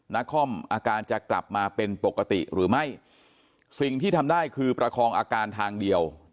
นครอาการจะกลับมาเป็นปกติหรือไม่สิ่งที่ทำได้คือประคองอาการทางเดียว